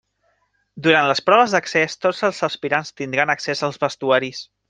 Durant les proves d'accés tots els aspirants tindran accés als vestuaris.